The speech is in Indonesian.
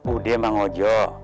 udah emang ojo